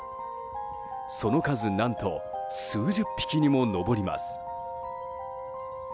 その数何と数十匹にも上ります。